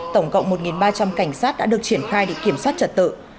tổng cộng một ba trăm linh cảnh sát đã được triển khai để kiểm soát trật tự